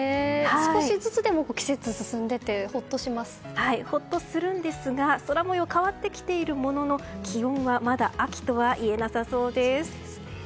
少しずつでも季節が進んでいてほっとするんですが空模様は変わってきているものの気温はまだ秋とはいえなさそうです。